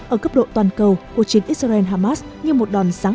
ở cấp độ toàn cầu cuộc chiến israel hamas như một đòn sáng